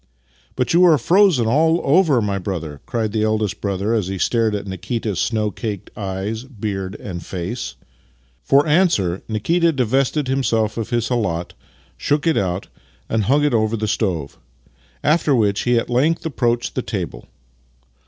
" But you are frozen all over, my brother! " cried the eldest brother as he stared at Nikita's snow caked eyes, beard and face. For answer, Nikita divested himself of his khalat, shook it out, and hung it over the stove; after which he at length approached the table.